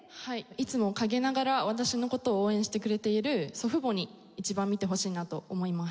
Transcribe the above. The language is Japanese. いつも陰ながら私の事を応援してくれている祖父母に一番見てほしいなと思います。